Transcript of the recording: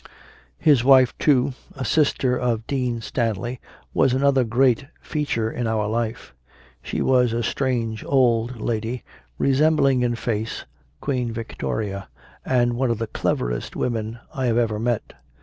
His wife too, a sister of Dean Stanley, was another great feature in our life. She was a strange old lady, resembling in face Queen Victoria, and one of the cleverest women I have ever met.